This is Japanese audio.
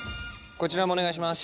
こちらもお願いします。